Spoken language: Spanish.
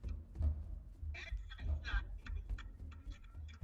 Se encuentra ubicado junto a la frontera con el estado de Schleswig-Holstein.